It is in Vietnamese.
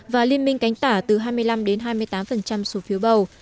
và liên minh cánh tả từ hai mươi năm đến hai mươi tám số phiếu bầu